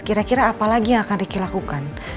kira kira apa lagi yang akan ricky lakukan